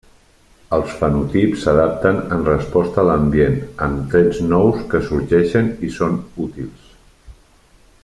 Els fenotips s'adapten en resposta a l'ambient, amb trets nous que sorgeixen i són útils.